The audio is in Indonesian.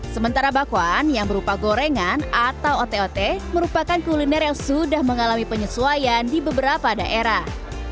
sementara bakwan yang berupa gorengan atau ote ote merupakan kuliner yang sudah mengalami penyesuaian di beberapa daerah